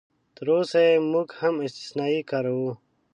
تراوسه یې موږ هم استثنایي کاروو.